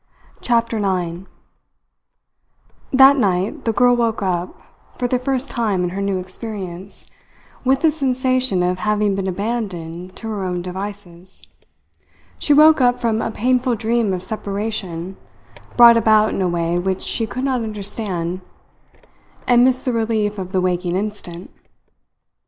CHAPTER NINE That night the girl woke up, for the first time in her new experience, with the sensation of having been abandoned to her own devices. She woke up from a painful dream of separation brought about in a way which she could not understand, and missed the relief of the waking instant.